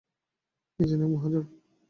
এ যেন এক মহাযজ্ঞ।